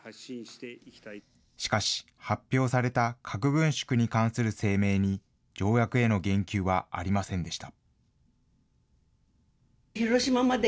しかし、発表された核軍縮に関する声明に、条約への言及はありませんでした。